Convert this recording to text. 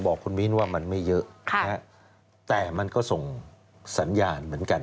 บอกคุณมิ้นว่ามันไม่เยอะแต่มันก็ส่งสัญญาณเหมือนกัน